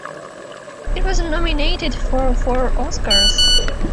It was nominated for four Oscars.